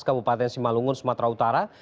kabupaten simalungun sumatera utara